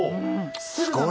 すごい。